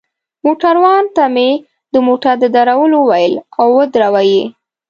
موټروان ته مې د موټر د درولو وویل، او ودروه يې.